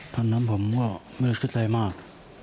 ตอนนั้นผมก็ไม่ได้คิดอะไรมาก